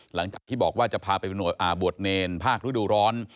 หลังจากที่บอกว่าจะพาไปบวชเนรภาคฤดูร้อน